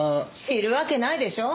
知るわけないでしょ。